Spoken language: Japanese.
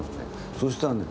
そうしたらね